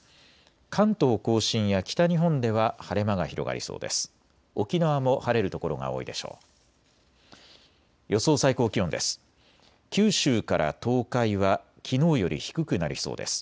関東甲信や北日本では晴れ間が広がりそうです。